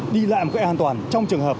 đi lại một cách an toàn trong trường hợp